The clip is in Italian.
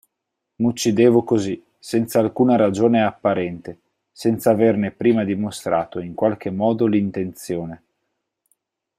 M'uccidevo così, senz'alcuna ragione apparente, senza averne prima dimostrato in qualche modo l'intenzione.